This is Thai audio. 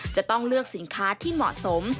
จะต้องเลือกสินค้าที่เหมาะสม